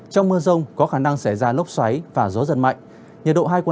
trong mưa rông có khả năng xảy ra lốc xoáy và gió giật mạnh